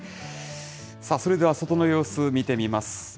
それでは外の様子、見てみます。